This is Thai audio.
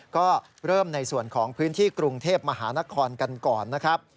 ก็เริ่มในส่วนของพื้นที่กรุงเทพมหานครกันก่อนนะครับ